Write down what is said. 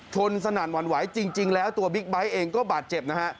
สนั่นหวั่นไหวจริงแล้วตัวบิ๊กไบท์เองก็บาดเจ็บนะฮะ